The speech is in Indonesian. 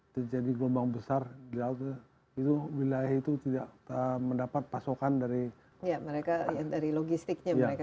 terjadi gelombang besar gelap itu wilayah itu tidak mendapat pasokan dari mereka dari logistik mereka